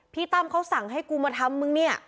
ตั้มเขาสั่งให้กูมาทำมึงเนี่ย